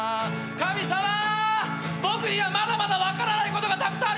僕にはまだまだ分からないことがたくさんあります。